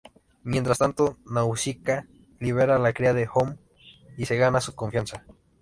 Mientras tanto, Nausicaä libera a la cría de Ohm y se gana su confianza.